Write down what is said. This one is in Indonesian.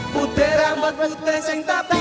putih rambut besi tetapi